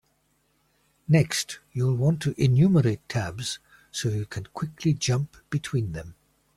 Next, you'll want to enumerate tabs so you can quickly jump between them.